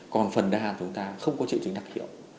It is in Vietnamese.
còn phần đa chúng ta không có triệu chứng đặc hiệu